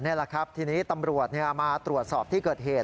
นี่แหละครับทีนี้ตำรวจมาตรวจสอบที่เกิดเหตุ